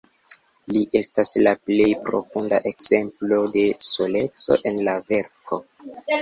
Li estas la plej profunda ekzemplo de soleco en la verko.